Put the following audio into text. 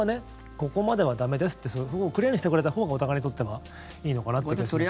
ここまでは駄目ですってクリアにしてくれたほうがお互いにとってはいいのかなという気はしますけどね。